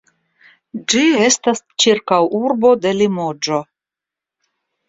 Ĝi estas ĉirkaŭurbo de Limoĝo.